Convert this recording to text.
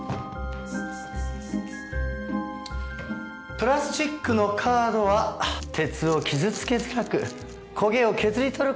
プラスチックのカードは鉄を傷つけづらく焦げを削り取る事が出来ます。